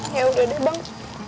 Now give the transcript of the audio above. ya udah deh bang